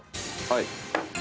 はい。